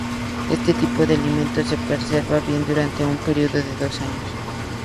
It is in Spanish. Este tipo de alimento se preserva bien durante un periodo de dos años.